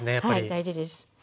大事です。